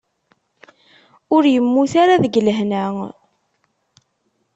Ur yemmut ara deg lehna.